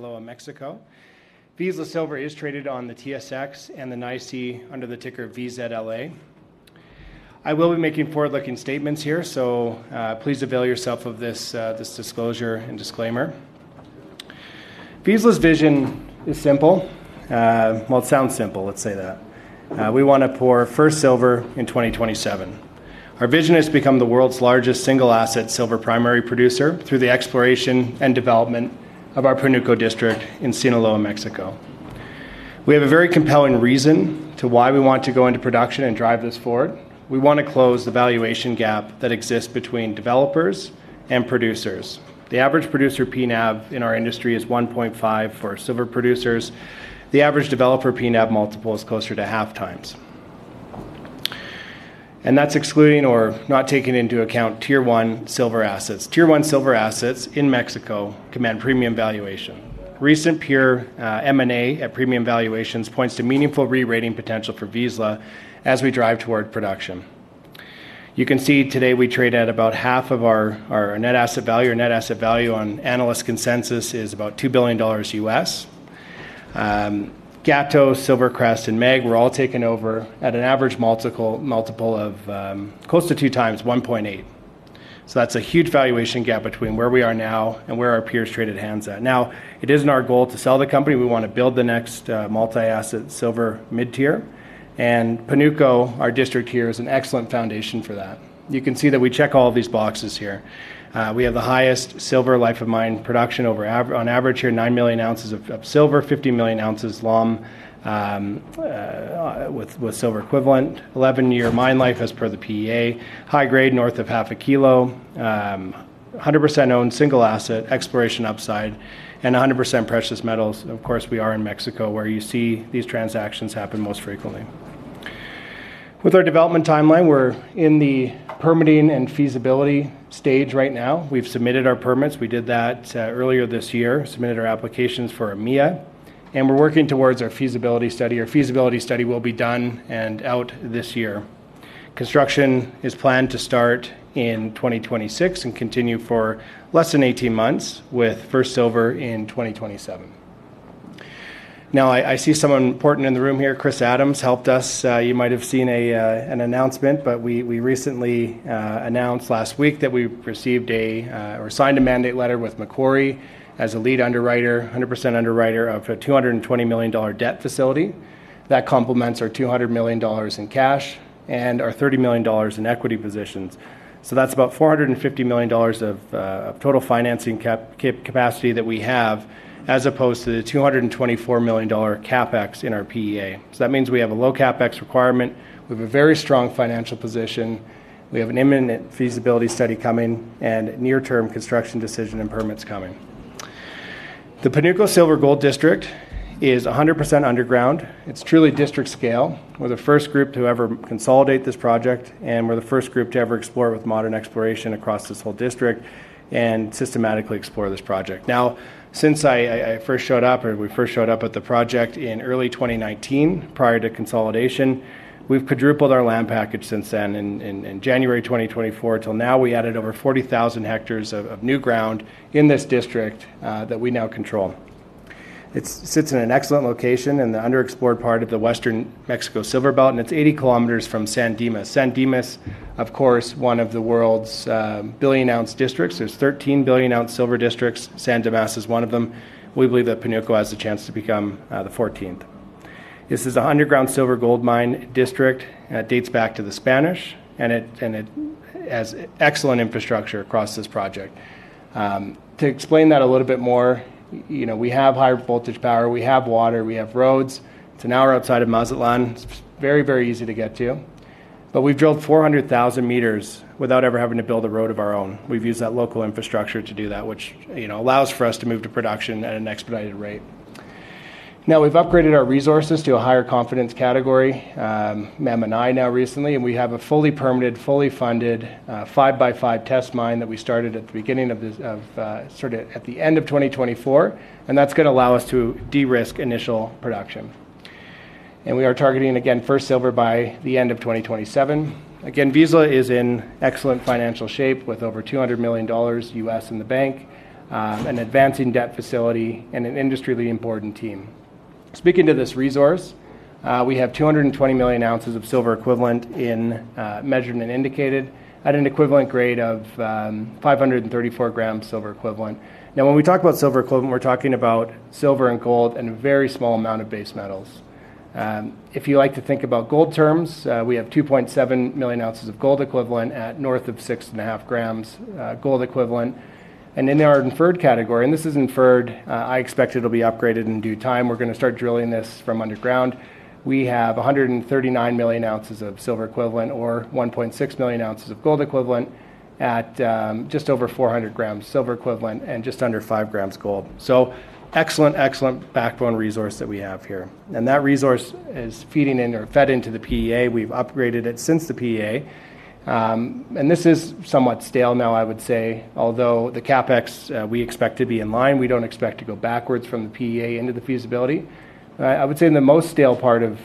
Hello, in Mexico. Vizsla Silver is traded on the TSX and the NYSE under the ticker VZLA. I will be making forward-looking statements here, so please avail yourself of this disclosure and disclaimer. Vizsla's vision is simple. It sounds simple, let's say that. We want to pour first silver in 2027. Our vision is to become the world's largest single-asset silver primary producer through the exploration and development of our Pánuco District in Sinaloa, Mexico. We have a very compelling reason why we want to go into production and drive this forward. We want to close the valuation gap that exists between developers and producers. The average producer P/NAV in our industry is 1.5 for silver producers. The average developer P/NAV multiple is closer to 0.5x. That's excluding or not taking into account tier one silver assets. Tier one silver assets in Mexico command premium valuation. Recent peer M&A at premium valuations points to meaningful re-rating potential for Vizsla as we drive toward production. You can see today we trade at about half of our net asset value. Our net asset value on analyst consensus is about $2 billion. GAPTO, SilverCrest, and MEG were all taken over at an average multiple of close to 2x, 1.8x. That's a huge valuation gap between where we are now and where our peers traded hands at. It isn't our goal to sell the company. We want to build the next multi-asset silver mid-tier. Pánuco, our district here, is an excellent foundation for that. You can see that we check all of these boxes here. We have the highest silver life of mine production over on average here, 9 million ounces of silver, `50 million ounces LOM, with silver equivalent. 11-year mine life as per the PEA. High grade north of 1/2 kg. 100% owned single asset, exploration upside, and 100% precious metals. Of course, we are in Mexico where you see these transactions happen most frequently. With our development timeline, we're in the permitting and feasibility stage right now. We've submitted our permits. We did that earlier this year, submitted our applications for AMIA, and we're working towards our feasibility study. Our feasibility study will be done and out this year. Construction is planned to start in 2026 and continue for less than 18 months with first silver in 2027. I see someone important in the room here. Chris Adams helped us. You might have seen an announcement, but we recently announced last week that we received, or signed a mandate letter with Macquarie as a lead underwriter, 100% underwriter of a $220 million debt facility that complements our $200 million in cash and our $30 million in equity positions. That's about $450 million of total financing capacity that we have as opposed to the $224 million CapEx in our PEA. That means we have a low CapEx requirement. We have a very strong financial position. We have an imminent feasibility study coming and near-term construction decision and permits coming. The Pánuco Silver Gold District is 100% underground. It's truly district scale. We're the first group to ever consolidate this project, and we're the first group to ever explore with modern exploration across this whole district and systematically explore this project. Since I first showed up, or we first showed up at the project in early 2019, prior to consolidation, we've quadrupled our land package since then. In January 2024 till now, we added over 40,000 hectares of new ground in this district that we now control. It sits in an excellent location in the underexplored part of the Western Mexico Silver Belt, and it's 80 km from San Dimas. San Dimas, of course, one of the world's billion-ounce districts. There are 13 billion-ounce silver districts. San Dimas is one of them. We believe that Pánuco has a chance to become the 14th. This is an underground silver gold mine district that dates back to the Spanish, and it has excellent infrastructure across this project. To explain that a little bit more, we have higher voltage power, we have water, we have roads. It's an hour outside of Mazatlán, very, very easy to get to. We've drilled 400,000 m without ever having to build a road of our own. We've used that local infrastructure to do that, which allows for us to move to production at an expedited rate. We've upgraded our resources to a higher confidence category, measured and indicated now recently, and we have a fully permitted, fully funded 5x5 test mine that we started at the beginning of, sort of at the end of 2024. That's going to allow us to de-risk initial production. We are targeting, again, first silver by the end of 2027. Vizsla is in excellent financial shape with over $200 million in the bank, an advancing debt facility, and an industry-leading important team. Speaking to this resource, we have 220 million ounces of silver equivalent in measured and indicated at an equivalent grade of 534 g silver equivalent. Now, when we talk about silver equivalent, we're talking about silver and gold and a very small amount of base metals. If you like to think about gold terms, we have 2.7 million ounces of gold equivalent at north of 6.5 g gold equivalent. In our inferred category, and this is inferred, I expect it'll be upgraded in due time. We're going to start drilling this from underground. We have 139 million ounces of silver equivalent or 1.6 million ounces of gold equivalent at just over 400 g silver equivalent and just under 5 g gold. Excellent, excellent backbone resource that we have here. That resource is feeding in or fed into the PEA. We've upgraded it since the PEA. This is somewhat stale now, I would say, although the CapEx we expect to be in line, we don't expect to go backwards from the PEA into the feasibility study. I would say the most stale part of,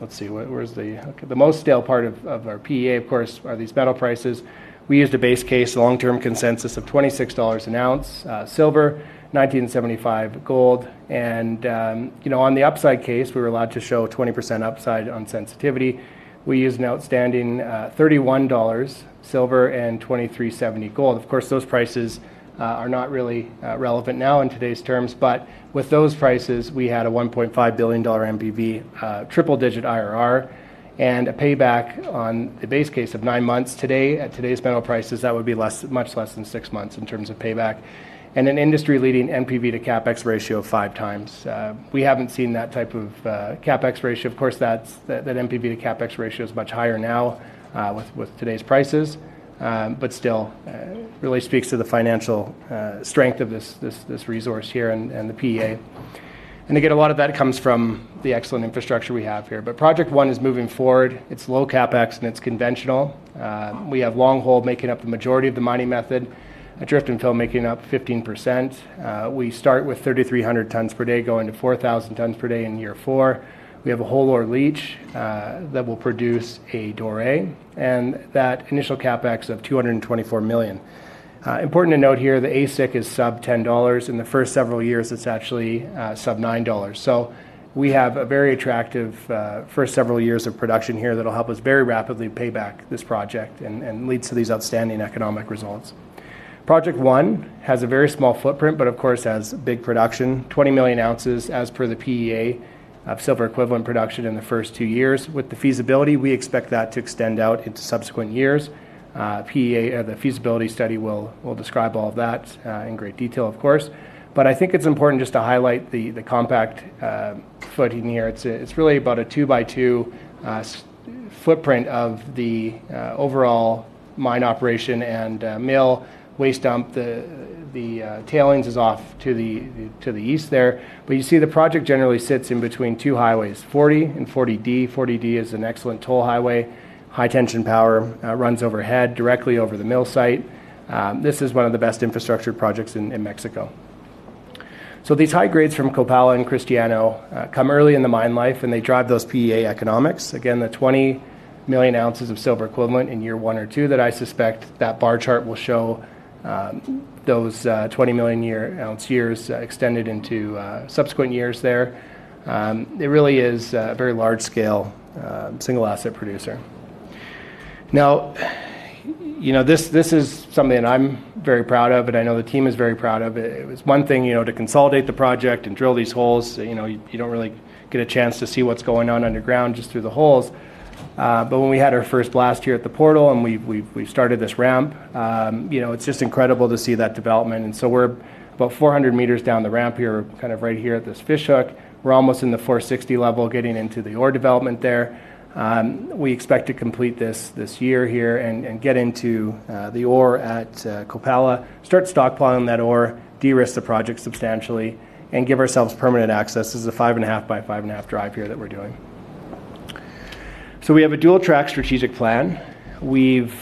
let's see, where's the most stale part of our PEA, of course, are these metal prices. We used a base case, long-term consensus of $26 an ounce silver, $1,975 gold. On the upside case, we were allowed to show 20% upside on sensitivity. We used an outstanding $31 silver and $2,370 gold. Of course, those prices are not really relevant now in today's terms, but with those prices, we had a $1.5 billion NPV, triple-digit IRR, and a payback on the base case of nine months. Today, at today's metal prices, that would be much less than six months in terms of payback. An industry-leading NPV to CapEx ratio of 5x. We haven't seen that type of CapEx ratio. That NPV to CapEx ratio is much higher now with today's prices, but still really speaks to the financial strength of this resource here and the PEA. A lot of that comes from the excellent infrastructure we have here. Project one is moving forward. It's low CapEx and it's conventional. We have long hole making up the majority of the mining method, a drift and fill making up 15%. We start with 3,300 tons per day, going to 4,000 tons per day in year four. We have a whole ore leach that will produce a doré and that initial CapEx of $224 million. Important to note here, the ASIC is sub $10 in the first several years. It's actually sub $9. We have a very attractive first several years of production here that'll help us very rapidly pay back this project and leads to these outstanding economic results. Project one has a very small footprint, but of course has big production, 20 million ounces as per the PEA of silver equivalent production in the first two years. With the feasibility, we expect that to extend out into subsequent years. PEA of the feasibility study will describe all of that in great detail, of course. I think it's important just to highlight the compact footing here. It's really about a two-by-two footprint of the overall mine operation and mill waste dump. The tailings is off to the east there. You see the project generally sits in between two highways, 40 and 40D. 40D is an excellent toll highway. High tension power runs overhead directly over the mill site. This is one of the best infrastructure projects in Mexico. These high grades from Copala and Cristiano come early in the mine life and they drive those PEA economics. Again, the 20 million ounces of silver equivalent in year one or two that I suspect that bar chart will show those 20 million ounce years extended into subsequent years there. It really is a very large-scale single asset producer. This is something I'm very proud of, and I know the team is very proud of it. It was one thing to consolidate the project and drill these holes. You don't really get a chance to see what's going on underground just through the holes. When we had our first blast here at the portal and we've started this ramp, it's just incredible to see that development. We're about 400 m down the ramp here, kind of right here at this fishhook. We're almost in the 460 m level, getting into the ore development there. We expect to complete this this year here and get into the ore at Copala, start stockpiling that ore, de-risk the project substantially, and give ourselves permanent access. This is a five and a half by five and a half drive here that we're doing. We have a dual track strategic plan. We've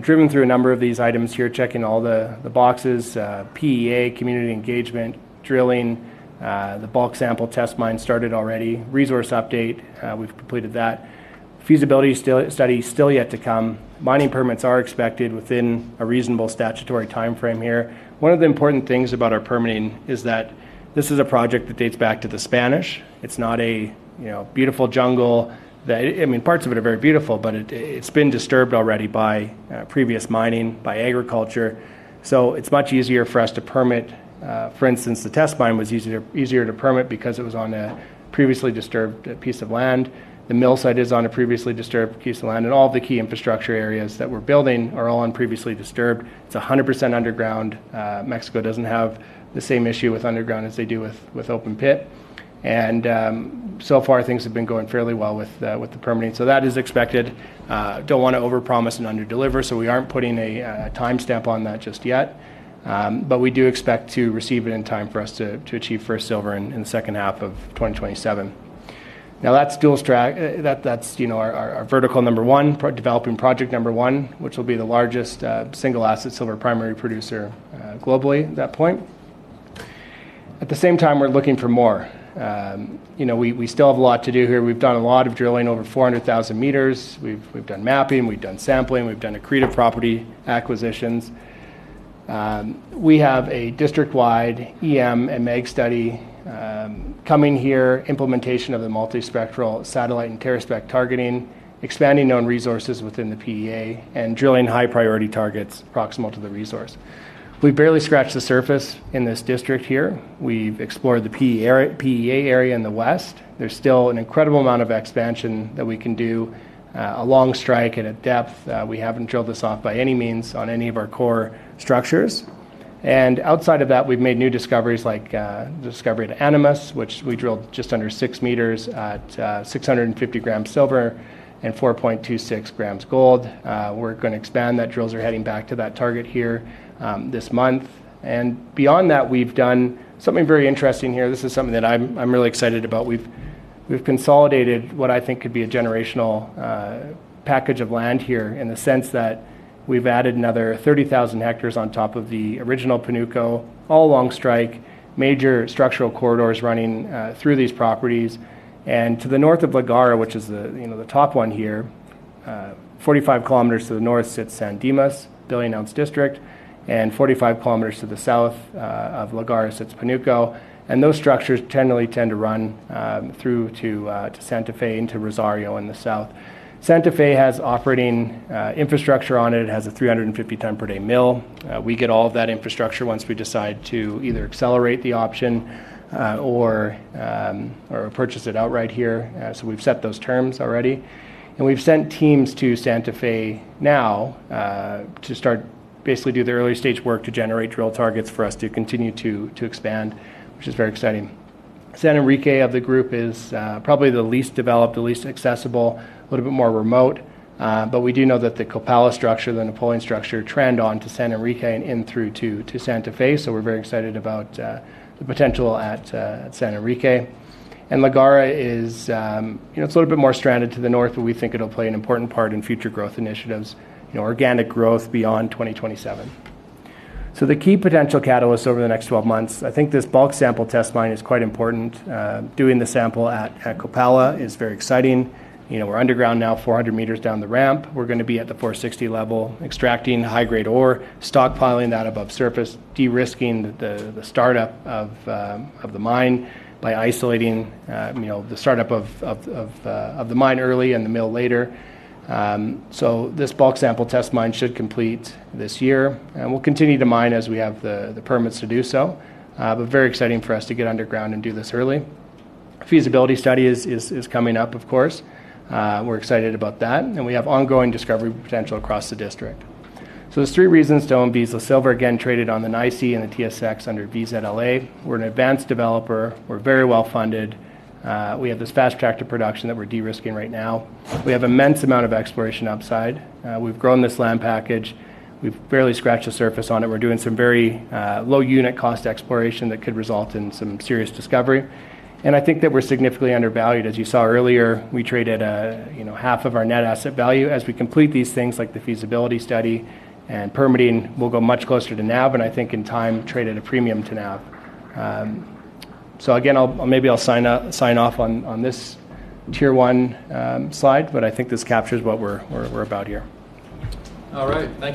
driven through a number of these items here, checking all the boxes: PEA, community engagement, drilling, the bulk sample test mine started already, resource update, we've completed that. Feasibility study is still yet to come. Mining permits are expected within a reasonable statutory timeframe here. One of the important things about our permitting is that this is a project that dates back to the Spanish. It's not a, you know, beautiful jungle that, I mean, parts of it are very beautiful, but it's been disturbed already by previous mining, by agriculture. It's much easier for us to permit. For instance, the test mine was easier to permit because it was on a previously disturbed piece of land. The mill site is on a previously disturbed piece of land, and all of the key infrastructure areas that we're building are all on previously disturbed. It's 100% underground. Mexico doesn't have the same issue with underground as they do with open pit. Things have been going fairly well with the permitting. That is expected. Don't want to overpromise and under-deliver, so we aren't putting a timestamp on that just yet. We do expect to receive it in time for us to achieve first silver in the second half of 2027. Now that's still track. That's, you know, our vertical number one, developing project number one, which will be the largest single-asset silver primary producer globally at that point. At the same time, we're looking for more. We still have a lot to do here. We've done a lot of drilling, over 400,000 me. We've done mapping, we've done sampling, we've done accretive property acquisitions. We have a district-wide EM and MEG study coming here, implementation of the multispectral satellite and teraspec targeting, expanding known resources within the PEA, and drilling high-priority targets proximal to the resource. We've barely scratched the surface in this district here. We've explored the PEA area in the west. There's still an incredible amount of expansion that we can do along strike and at depth. We haven't drilled this off by any means on any of our core structures. Outside of that, we've made new discoveries like the discovery at Animus, which we drilled just under 6 m at 650 g silver and 4.26 g gold. We're going to expand that. Drills are heading back to that target here this month. Beyond that, we've done something very interesting here. This is something that I'm really excited about. We've consolidated what I think could be a generational package of land here in the sense that we've added another 30,000 hectares on top of the original Pánuco, all along strike, major structural corridors running through these properties. To the north of La Garra, which is the top one here, 45 km to the north sits San Dimas, billion-ounce district, and 45 km to the south of La Garra sits Pánuco. Those structures generally tend to run through to Santa Fe into Rosario in the south. Santa Fe has operating infrastructure on it. It has a 350-ton per day mill. We get all of that infrastructure once we decide to either accelerate the option or purchase it outright here. We have set those terms already. We have sent teams to Santa Fe now to start basically doing the early-stage work to generate drill targets for us to continue to expand, which is very exciting. San Enrique of the group is probably the least developed, the least accessible, a little bit more remote. We do know that the Copala structure, the Napoleon structure, trend on to San Enrique and in through to Santa Fe. We are very excited about the potential at San Enrique. La Garra is, you know, it's a little bit more stranded to the north, but we think it'll play an important part in future growth initiatives, organic growth beyond 2027. The key potential catalysts over the next 12 months, I think this bulk sample test mine is quite important. Doing the sample at Copala is very exciting. We are underground now 400 m down the ramp. We are going to be at the 460 m level, extracting high-grade ore, stockpiling that above surface, de-risking the startup of the mine by isolating the startup of the mine early and the mill later. This bulk sample test mine should complete this year. We will continue to mine as we have the permits to do so. It is very exciting for us to get underground and do this early. Feasibility study is coming up, of course. We are excited about that. We have ongoing discovery potential across the district. There are three reasons to own Vizsla Silver. Again, traded on the NYSE and the TSX under VZLA. We are an advanced developer. We are very well funded. We have this fast track to production that we are de-risking right now. We have an immense amount of exploration upside. We have grown this land package. We have barely scratched the surface on it. We are doing some very low unit cost exploration that could result in some serious discovery. I think that we are significantly undervalued. As you saw earlier, we traded at half of our net asset value. As we complete these things like the feasibility study and permitting, we'll go much closer to NAV, and I think in time trade at a premium to NAV. Maybe I'll sign off on this tier one slide, but I think this captures what we're about here. All right. Thank you.